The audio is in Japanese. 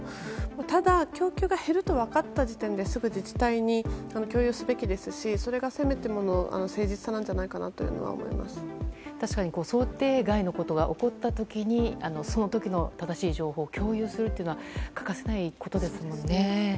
ただ、供給が減ると分かった時点ですぐ自治体に共有すべきですしそれがせめてもの誠実さなんじゃないかなと確かに想定外のことが起こった時にその時の正しい情報を共有するというのは欠かせないことですもんね。